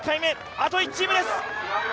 あと１チームです！